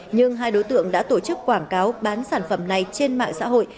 nhưng hai đối tượng đã tổ chức quảng cáo bán sản phẩm này trên mạng xã hội